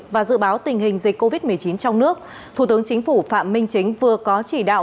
và dự báo tình hình dịch covid một mươi chín trong nước thủ tướng chính phủ phạm minh chính vừa có chỉ đạo